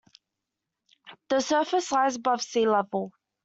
The surface lies at above sea level.